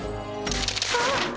あっ。